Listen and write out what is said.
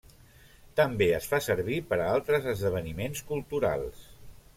També es fa servir per a altres esdeveniments culturals.